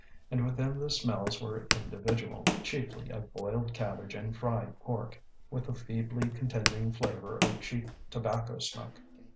And within the smells were individual: chiefly of boiled cabbage and fried pork, with a feebly contending flavour of cheap tobacco smoke.